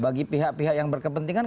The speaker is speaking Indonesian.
bagi pihak pihak yang berkepentingan